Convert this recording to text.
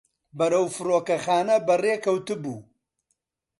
بەرەو فڕۆکەخانە بەڕێکەوتبوو.